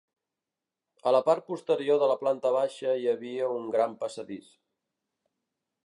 A la part posterior de la planta baixa hi havia un gran passadís.